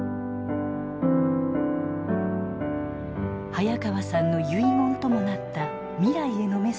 早川さんの遺言ともなった未来へのメッセージを振り返り